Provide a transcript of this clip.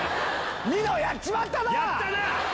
ニノやっちまったな！